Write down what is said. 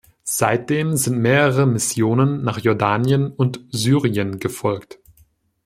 Seitdem sind mehrere Missionen nach Jordanien und Syrien gefolgt.